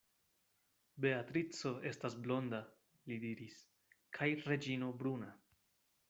Beatrico estas blonda, li diris, kaj Reĝino bruna.